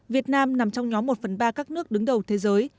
việt nam nằm trong nhóm một phần ba các nước đứng đầu thế giới